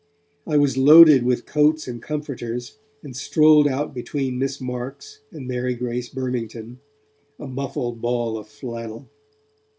I was loaded with coats and comforters, and strolled out between Miss Marks and Mary Grace Burmington, a muffled ball of flannel.